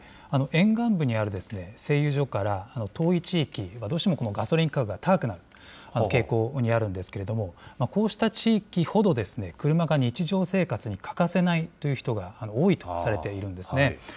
沿岸部にある製油所から遠い地域はどうしてもガソリン価格が高くなる傾向にあるんですけれども、こうした地域ほど、車が日常生活に欠かせないという人が多いとされているんですね。